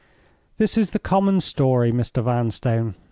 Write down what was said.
"This is the common story, Mr. Vanstone.